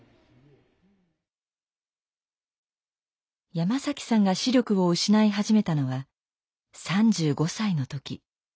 山さんが視力を失い始めたのは３５歳の時。